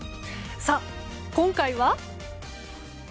さあ、今回は？